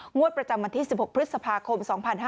งวดประจำวันที่๑๖พฤษภาคม๒๕๕๙